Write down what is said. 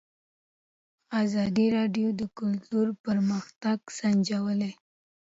ازادي راډیو د کلتور پرمختګ سنجولی.